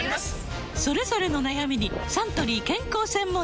それぞれの悩みにサントリー健康専門茶